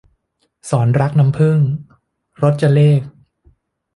ศรรักน้ำผึ้ง - รจเรข